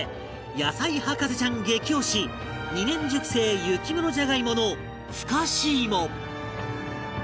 野菜博士ちゃん激推し２年熟成雪室じゃがいもの蒸かしいも